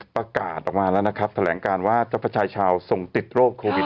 ประกาศออกมาแล้วนะครับแถลงการว่าเจ้าพระชายชาวส่งติดโรคโควิด